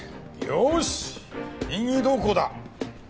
よーし任意同行だ！